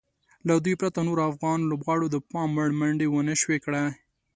له دوی پرته نورو افغان لوبغاړو د پام وړ منډې ونشوای کړای.